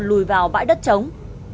lùi vào bãi đất trống